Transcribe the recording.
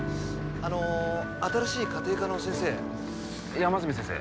あの新しい家庭科の先生山住先生